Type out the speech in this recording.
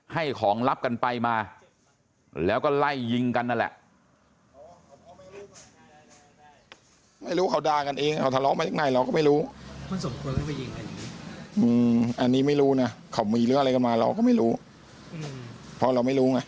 ให้ของลับกันไปมาแล้วก็ไล่ยิงกันนั่นแหละ